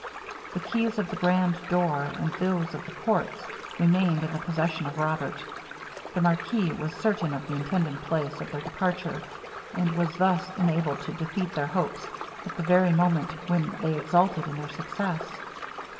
The keys of the grand door, and those of the courts, remaining in the possession of Robert, the marquis was certain of the intended place of their departure; and was thus enabled to defeat their hopes at the very moment when they exulted in their success.